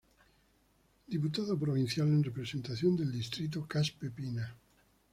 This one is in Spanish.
Diputado Provincial en representación del distrito Caspe-Pina.